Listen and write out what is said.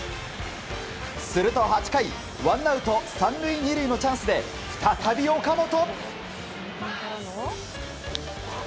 すると８回ワンアウト３塁２塁のチャンスで再び、岡本。